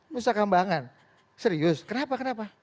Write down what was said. nusa kambangan serius kenapa kenapa